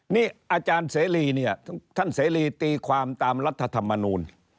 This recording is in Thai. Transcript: นี่อาจารย์เสรีเนี่ยท่านเสรีตีความตามรัฐธรรมนูล